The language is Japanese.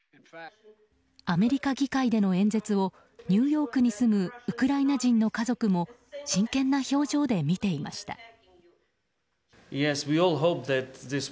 アメリカ議会での演説をニューヨークに住むウクライナ人の家族も真剣な表情で見ていました。